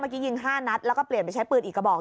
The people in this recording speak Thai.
ยิง๕นัดแล้วก็เปลี่ยนไปใช้ปืนอีกกระบอก